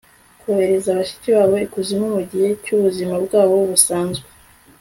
Kohereza bashiki babo ikuzimu mugihe cyubuzima bwabo busanzwe